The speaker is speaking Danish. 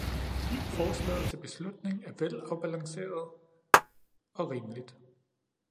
Forslaget til beslutning er velafbalanceret og rimeligt.